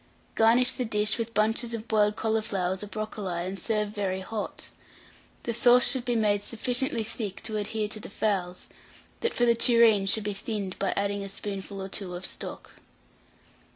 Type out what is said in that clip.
Garnish the dish with bunches of boiled cauliflowers or brocoli, and serve very hot. The sauce should be made sufficiently thick to adhere to the fowls; that for the tureen should be thinned by adding a spoonful or two of stock.